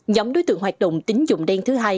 nhóm đối tượng hoạt động tính dụng đen thứ hai